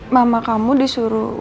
mama kamu disuruh